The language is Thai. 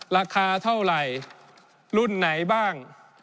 ราคาเท่าไหร่รุ่นไหนบ้าง